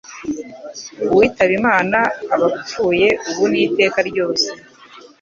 Uwitabe imana abapfuye ubu n'iteka ryose.